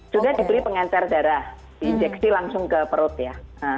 sudah diberi pengecar darah diinjeksi langsung ke perut ya